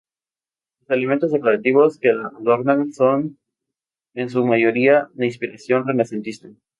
Los elementos decorativos que la adornan son en su mayoría de inspiración renacentista.